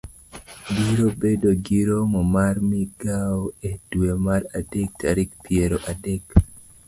Biro bedo gi romo mar migawo e dwe mar adek tarik piero adek ,